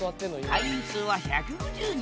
会員数は１５０人。